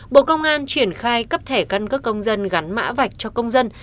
bộ công an triển khai cấp thẻ căn cước công dân gắn mã vạch cho công dân